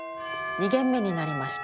２限目になりました。